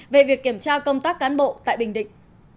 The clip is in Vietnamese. về việc kiểm tra công tác cán bộ tại bình định